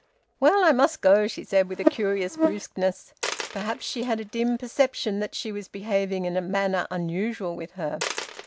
"Well, I must go!" she said, with a curious brusqueness. Perhaps she had a dim perception that she was behaving in a manner unusual with her.